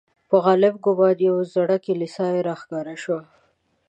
په غالب ګومان یوه زړه کلیسا را ښکاره شوه.